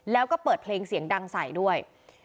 แล้วก็เปิดเพลงเสียงดังใส่ด้วย